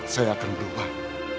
saya akan berubah